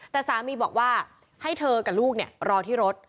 แต่สามีบอกว่าให้เธอกับลูกรอที่รถ